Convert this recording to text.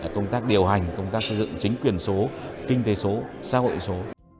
công tác điều hành công tác xây dựng chính quyền số kinh tế số xã hội số